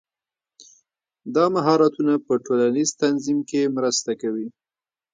دا مهارتونه په ټولنیز تنظیم کې مرسته کوي.